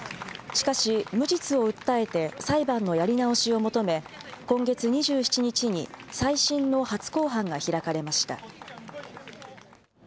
しかし、無実を訴えて裁判のやり直しを求め、今月２７日に再審の初公判が開かれました。